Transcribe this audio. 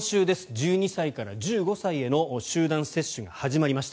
１２歳から１５歳への集団接種が始まりました。